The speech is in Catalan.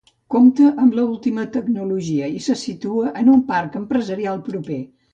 Compta amb l'última tecnologia i se situa en un parc empresarial proper.